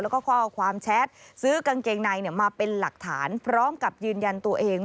แล้วก็ข้อความแชทซื้อกางเกงในมาเป็นหลักฐานพร้อมกับยืนยันตัวเอง